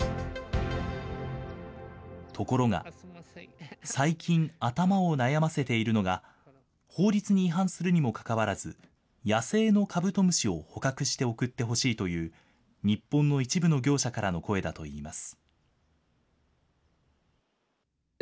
ところが、最近、頭を悩ませているのが、法律に違反するにもかかわらず、野生のカブトムシを捕獲して送ってほしいという、日本の一部の業者からの声だといいます。